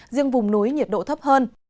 riêng vùng núi nhiệt độ thấp hơn